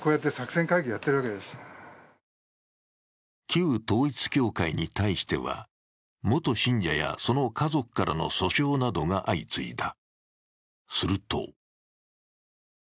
旧統一教会に対しては、元信者やその家族からの訴訟などが相次いだ。